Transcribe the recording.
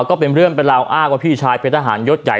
ก็เป็นเรื่องเป็นราวอ้างว่าพี่ชายเป็นทหารยศใหญ่